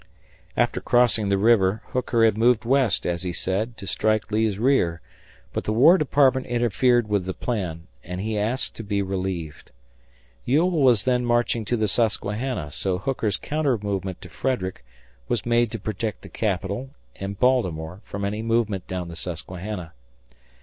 After crossing the river, Hooker had moved west, as he said, to strike Lee's rear, but the War Department interfered with the plan, and he asked to be relieved. Ewell was then marching to the Susquehanna, so Hooker's counter movement to Frederick was made to protect the Capital and Baltimore from any movement down the Susquehanna.